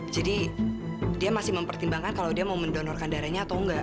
jadi dia masih mempertimbangkan kalau dia mau mendonorkan darahnya atau enggak